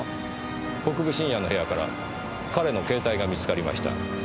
国分信也の部屋から彼の携帯が見つかりました。